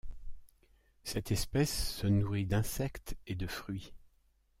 Cette espèce se nourrit d'insectes et de fruits.